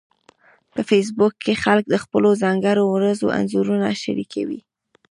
په فېسبوک کې خلک د خپلو ځانګړو ورځو انځورونه شریکوي